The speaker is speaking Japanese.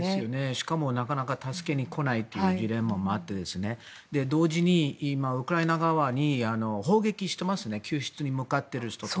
しかも、なかなか助けに来ないというジレンマもあって同時に今、ウクライナ側に砲撃していますね救出に向かっている人を。